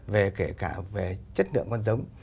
về kể cả về chất lượng con rào